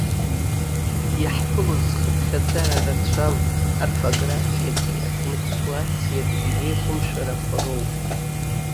Иаҳԥыло зхыԥхьаӡара рацәам аорфографиатәии апунктуациатәии еиқәымшәарақәа роуп.